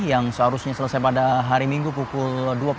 yang seharusnya selesai pada hari minggu pukul dua puluh